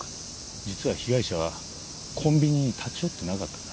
実は被害者はコンビニに立ち寄ってなかったんだ